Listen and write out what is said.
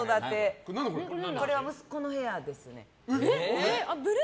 これは息子の部屋ですね。